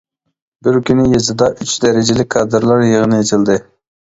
بىر كۈنى يېزىدا ئۈچ دەرىجىلىك كادىرلار يىغىنى ئېچىلدى.